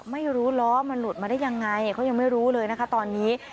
ไม่รู้ล้อมันหลุดมาได้ยังไงเขายังไม่รู้เลยนะคะตอนนี้